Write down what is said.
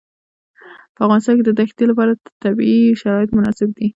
په افغانستان کې د دښتې لپاره طبیعي شرایط مناسب دي.